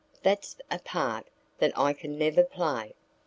"That's a part that I can never play."